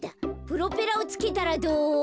プロペラをつけたらどう？